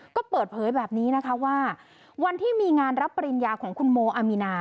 ก็เปิดเผยแบบนี้นะคะว่าวันที่มีงานรับปริญญาของคุณโมอามีนา